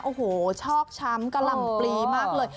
โอ้โหชอกช้ำกะหล่ำปลีมากเลย